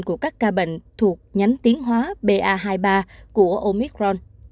của các ca bệnh thuộc nhánh tiến hóa ba hai mươi ba của omicron